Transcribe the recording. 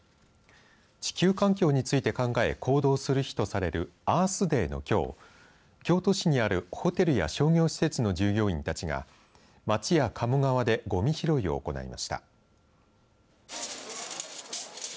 地球環境について考え行動する日とされるアースデーのきょう京都市にあるホテルや商業施設の従業員たちが街や鴨川でゴミ拾いを行いました。